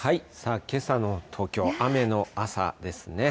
けさの東京、雨の朝ですね。